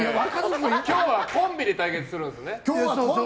今日はコンビで対決するんですよね。